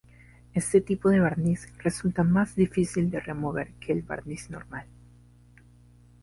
Este tipo de barniz resulta más difícil de remover que el barniz normal.